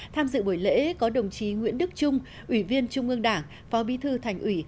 tham dự buổi lễ có đồng chí nguyễn đức trung ủy viên trung ương đảng phó bí thư thành ủy